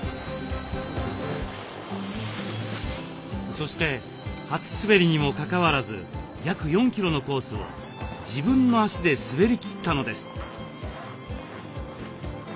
そして初滑りにもかかわらず約４キロのコースを自分の足で滑りきったのです。